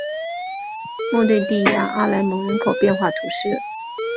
莫内蒂耶阿莱蒙人口变化图示